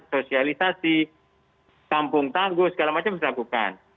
sosialisasi kampung tangguh segala macam harus dilakukan